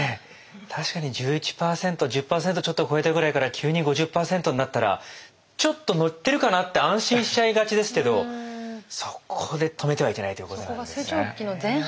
確かに１１％１０％ちょっとこえたぐらいから急に５０％になったらちょっと乗ってるかなって安心しちゃいがちですけどそこで止めてはいけないということなんですね。